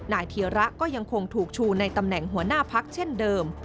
เทียระก็ยังคงถูกชูในตำแหน่งหัวหน้าพักเช่นเดิม